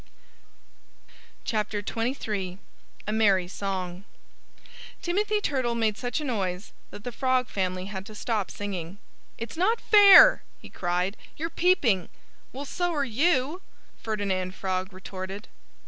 XXIII A MERRY SONG Timothy Turtle made such a noise that the Frog family had to stop singing. "It's not fair!" he cried. "You're peeping!" "Well, so are you!" Ferdinand Frog retorted.